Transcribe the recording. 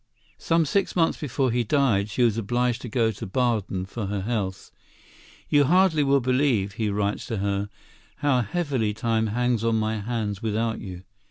Some six months before he died, she was obliged to go to Baden for her health. "You hardly will believe," he writes to her, "how heavily time hangs on my hands without you.